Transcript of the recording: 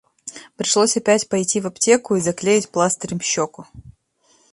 Пришлось опять пойти в аптеку и заклеить пластырем щеку.